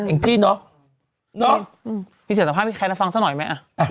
เองที่เนาะเนาะพี่เสียสภาพให้พี่แคลน่ะฟังสักหน่อยไหมอ่ะไปฟัง